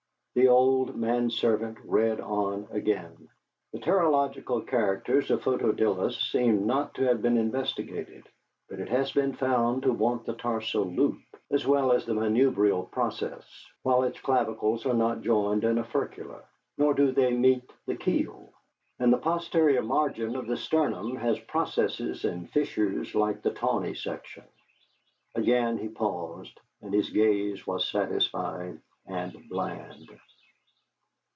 The old manservant read on again: "The pterylological characters of Photodilus seem not to have been investigated, but it has been found to want the tarsal loop, as well as the manubrial process, while its clavicles are not joined in a furcula, nor do they meet the keel, and the posterior margin of the sternum has processes and fissures like the tawny section." Again he paused, and his gaze was satisfied and bland.